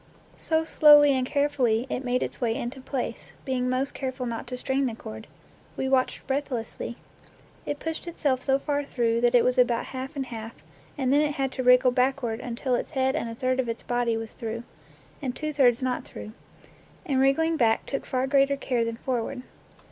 So slowly and carefully it made its way into place, being most careful not to strain the cord. We watched breathlessly. It pushed itself so far through that it was about half and half, and then it had to wriggle backward till its head and a third of its body was through, and two thirds not through; and wriggling back took far greater care than forward.